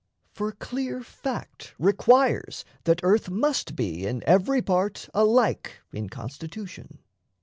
For clear fact Requires that earth must be in every part Alike in constitution.